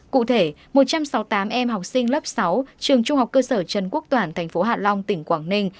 cụ thể một trăm sáu mươi tám em học sinh lớp sáu trường trung học cơ sở trần quốc toản thành phố hạ long tỉnh quảng ninh